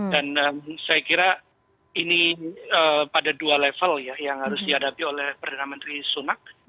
dan saya kira ini pada dua level yang harus dihadapi oleh perdana menteri sunak